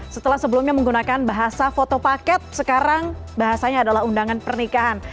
setelah sebelumnya menggunakan bahasa foto paket sekarang bahasanya adalah undangan pernikahan